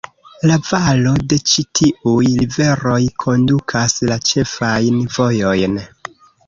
La valo de ĉi tiuj riveroj kondukas la ĉefajn vojojn.